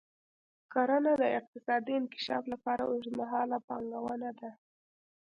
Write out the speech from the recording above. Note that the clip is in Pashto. کرنه د اقتصادي انکشاف لپاره اوږدمهاله پانګونه ده.